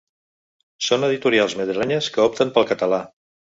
Són editorials madrilenyes que opten pel català.